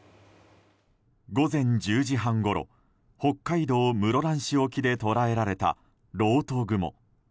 午前１０時半ごろ北海道室蘭市沖で捉えられたろうと雲。